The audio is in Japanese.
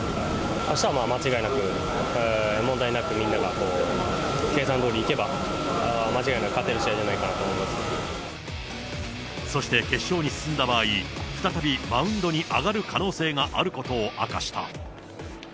あしたは間違いなく、問題なく、みんなが計算どおりいけば間違いなく勝てる試合じゃないかなと思そして決勝に進んだ場合、再びマウンドに上がる可能性があることを明かした。